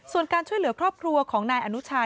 ส่วนการช่วยเหลือครอบครัวของนายอนุชา